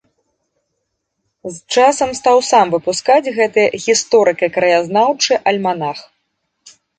З часам стаў сам выпускаць гэты гісторыка-краязнаўчы альманах.